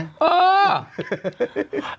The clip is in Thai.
เออ